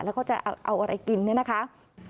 แล้วก็จะเอาอะไรกินเนี่ยนะคะ